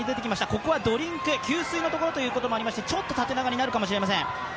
ここはドリンク、給水のところということもありまして、ちょっと縦長になるかもしれません。